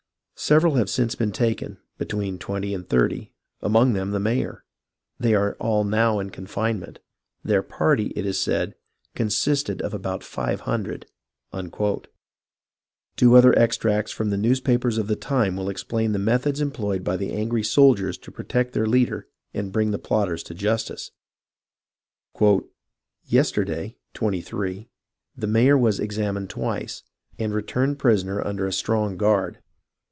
Several have since been taken, be tween twenty and thirty, among them the mayor. They are all now in confinement. Their party, it is said, con sisted of about iive hundred." Two other extracts from newspapers of the time will THE STRUGGLE ON LONG ISLAND IO5 explain the methods employed by the angry soldiers to protect their leader and bring the plotters to justice. "Yesterday (23) the mayor was examined twice, and re turned prisoner under a strong guard.